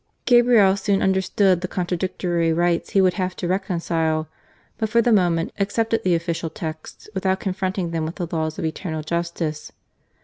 Gabriel soon understood the contradictory rights he would have to reconcile, but for the moment accepted the official texts without confronting them with the laws of Eternal Justice.